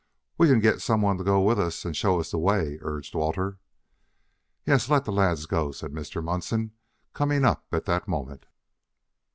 "We can get some one to go with us and show us the way," urged Walter. "Yes, let the lads go," said Mr. Munson, coming up at that moment.